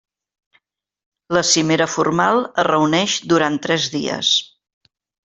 La cimera formal es reuneix durant tres dies.